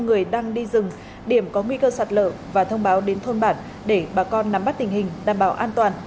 người đang đi rừng điểm có nguy cơ sạt lở và thông báo đến thôn bản để bà con nắm bắt tình hình đảm bảo an toàn